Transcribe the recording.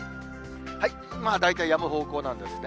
まあ大体やむ方向なんですね。